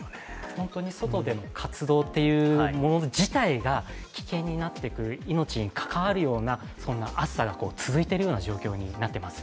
本当に外での活動自体が危険になってくる、命に関わるような、そんな暑さが続いている状況になっています。